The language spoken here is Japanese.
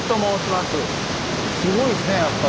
すごいですねやっぱり。